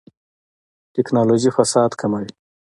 ټکنالوژي فساد کموي